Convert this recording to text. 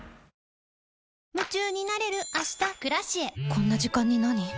こんな時間になに？